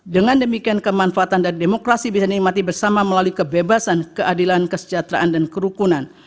dengan demikian kemanfaatan dan demokrasi bisa dinikmati bersama melalui kebebasan keadilan kesejahteraan dan kerukunan